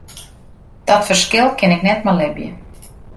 Dat ferskil kin ik net mei libje.